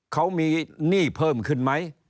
เขามีหนี้เพิ่มขึ้นไหม